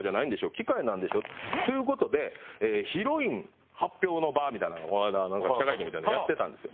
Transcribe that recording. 機械なんでしょ？という事でヒロイン発表の場みたいなのをこの間記者会見みたいなのをやってたんですよ。